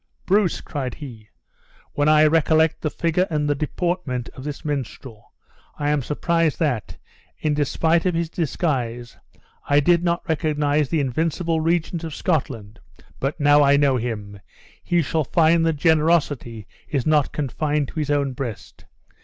"Bruce," cried he, "when I recollect the figure and deportment of this minstrel, I am surprised that, in despite of his disguise, I did not recognize the invincible Regent of Scotland; but now I know him, he shall find that generosity is not confined to his own breast.